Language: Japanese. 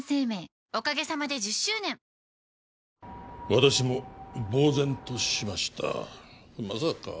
私もぼう然としましたまさか